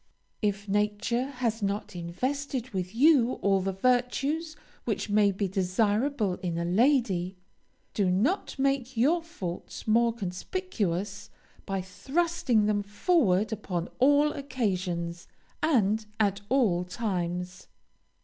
If nature has not invested you with all the virtues which may be desirable in a lady, do not make your faults more conspicuous by thrusting them forward upon all occasions, and at all times.